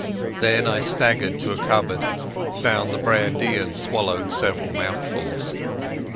Then I staggered to a cupboard, found the brandy and swallowed several mouthfuls.